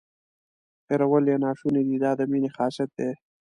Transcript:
هیرول یې ناشونې دي دا د مینې خاصیت دی.